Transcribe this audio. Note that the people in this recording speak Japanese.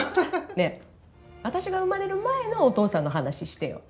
ねえ私が生まれる前のお父さんの話してよ。